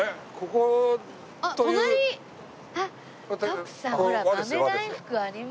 徳さんほら豆大福ありますよ。